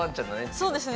そうですね。